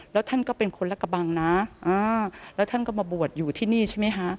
แล้วท่านก็เป็นคนละกระบังนะแล้วท่านก็มาบวชอยู่ที่นี่ใช่ไหมคะ